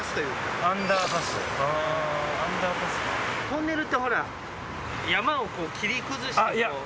トンネルってほら山を切り崩して。